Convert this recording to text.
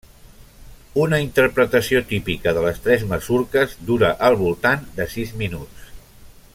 Una interpretació típica de les tres masurques dura al voltant de sis minuts.